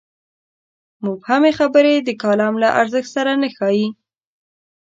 مبهمې خبرې د کالم له ارزښت سره نه ښايي.